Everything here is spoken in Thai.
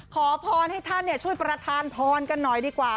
ขอพรให้ท่านช่วยประธานพรกันหน่อยดีกว่า